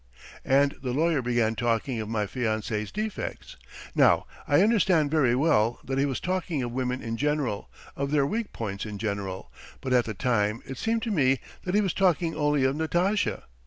"And the lawyer began talking of my fiancée's defects. Now I understand very well that he was talking of women in general, of their weak points in general, but at the time it seemed to me that he was talking only of Natasha.